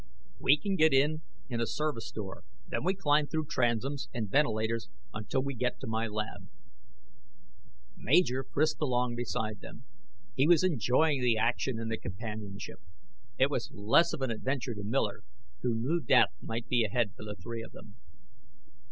"We can get in a service door. Then we climb through transoms and ventilators until we get to my lab." Major frisked along beside them. He was enjoying the action and the companionship. It was less of an adventure to Miller, who knew death might be ahead for the three of them.